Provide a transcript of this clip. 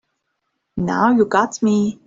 Now you got me.